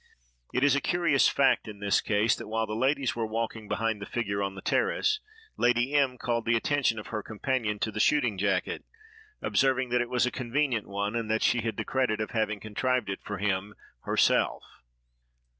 It is a curious fact, in this case, that while the ladies were walking behind the figure on the terrace, Lady M—— called the attention of her companion to the shooting jacket, observing that it was a convenient one, and that she had the credit of having contrived it for him herself.